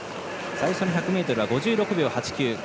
最初の１００ｍは５６秒８９。